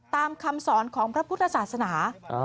คำสอนของพระพุทธศาสนา